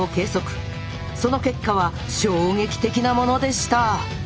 その結果は衝撃的なものでした。